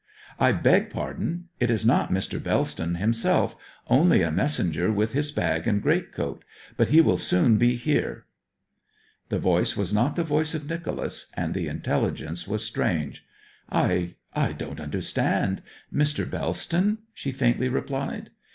'I beg pardon. It is not Mr. Bellston himself only a messenger with his bag and great coat. But he will be here soon.' The voice was not the voice of Nicholas, and the intelligence was strange. 'I I don't understand. Mr. Bellston?' she faintly replied.